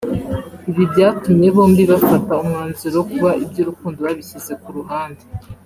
ibi byatumye bombi bafata umwanzuro wo kuba iby’urukundo babishyize ku ruhande